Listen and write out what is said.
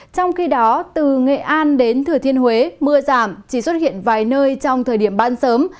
trong khi đó từ nghệ an đến thừa thiên huế mưa giảm chỉ xuất hiện vài nơi trong thời điểm ban sớm